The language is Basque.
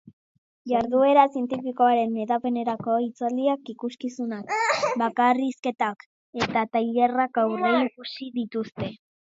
Jarduera zientifikoaren hedapenerako hitzaldiak, ikuskizunak, bakarrizketak eta tailerrak aurreikusi dituzte.